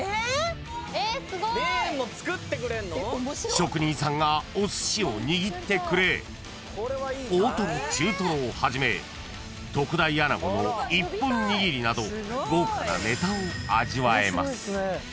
［職人さんがおすしを握ってくれ大トロ中トロをはじめ特大アナゴの一本にぎりなど豪華なネタを味わえます］